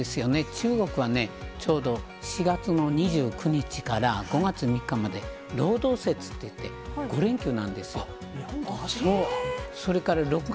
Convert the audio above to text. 中国はね、ちょうど４月の２９日から５月３日まで、労働節って言って、５連休なんですよ。